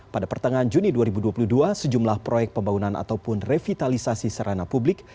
pada pertengahan juni dua ribu dua puluh dua sejumlah proyek pembangunan ataupun revitalisasi serana publik